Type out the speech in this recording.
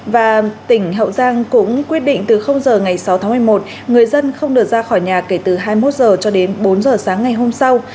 và tỉnh hậu giang cũng quyết định từ h ngày sáu tháng một mươi một người dân không được ra khỏi nhà kể từ hai mươi một h cho đến bốn h sáng ngày hôm sau